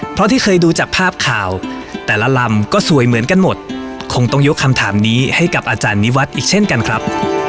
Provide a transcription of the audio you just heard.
เพราะที่เคยดูจากภาพข่าวแต่ละลำก็สวยเหมือนกันหมดคงต้องยกคำถามนี้ให้กับอาจารย์นิวัฒน์อีกเช่นกันครับ